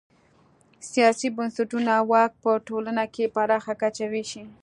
سیاسي بنسټونه واک په ټولنه کې پراخه کچه وېشي.